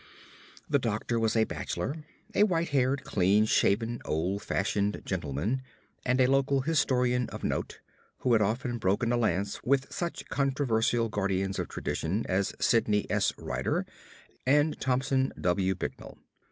The doctor was a bachelor; a white haired, clean shaven, old fashioned gentleman, and a local historian of note, who had often broken a lance with such controversial guardians of tradition as Sidney S. Rider and Thomas W. Bicknell.